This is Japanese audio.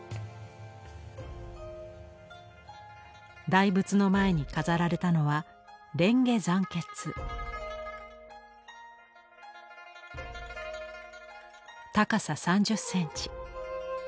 大仏の前に飾られたのは高さ３０センチ。